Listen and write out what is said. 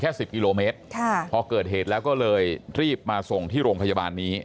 สิบกิโลเมตรค่ะพอเกิดเหตุแล้วก็เลยรีบมาส่งที่โรงพยาบาลนี้